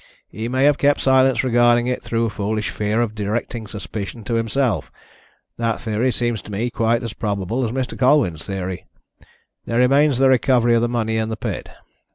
He may have kept silence regarding it through a foolish fear of directing suspicion to himself. That theory seems to me quite as probable as Mr. Colwyn's theory. There remains the recovery of the money in the pit.